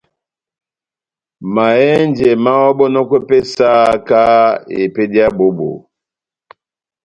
Mahɛ́njɛ máháhɔbɔnɔkwɛ pɛhɛ sahakahá ó epédi yá bohó-bohó.